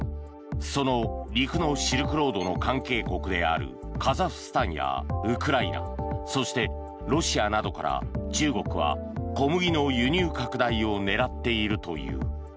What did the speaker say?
その陸のシルクロードの関係国であるカザフスタンやウクライナそして、ロシアなどから中国は小麦の輸入拡大を狙っているという。